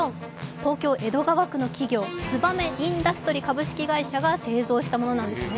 東京江戸川区の企業、ツバメインダストリ株式会社が製造したものなんですね。